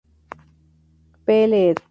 Pl., ed.